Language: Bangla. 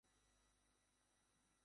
এটি ভারতের রাজধানী নতুন দিল্লিতে অবস্থিত।